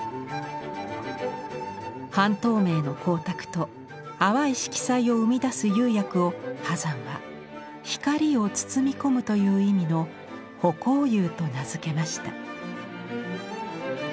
半透明の光沢と淡い色彩を生み出す釉薬を波山は光を包み込むという意味の「葆光釉」と名付けました。